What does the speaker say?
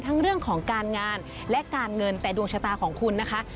ทั้งเรื่องของการงานและการเงินแต่ดวงชะตาของคุณนะคะ